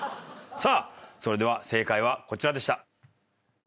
さあそれでは正解はこちらでした。